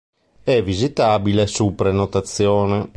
È visitabile su prenotazione.